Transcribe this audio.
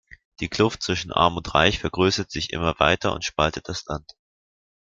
Die Kluft zwischen arm und reich vergrößert sich immer weiter und spaltet das Land.